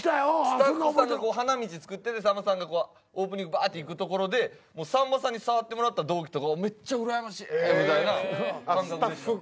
スタッフさんが花道作っててさんまさんがオープニングバッて行くところでもうさんまさんに触ってもらった同期とかめっちゃ羨ましいみたいな感覚でした。